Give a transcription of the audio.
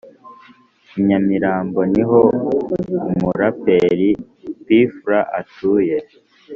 I nyamirambo niho umuraperi p fla atuye